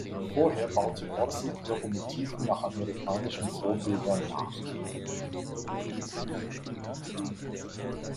Vorher baute Borsig Lokomotiven nach amerikanischen Vorbildern nach.